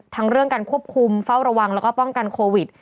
เรื่องการควบคุมเฝ้าระวังแล้วก็ป้องกันโควิด